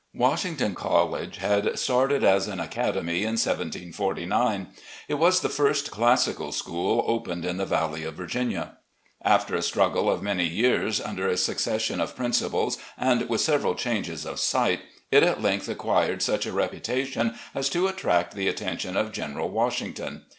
Washington College had started as an academy in 1749. It was the first classical school opened in the Valley of Virginia. After a struggle of many years, under a succession of principals and with several changes of site, it at length acquired such a reputation as to attract the attention of General Washington.